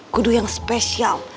kudu yang spesial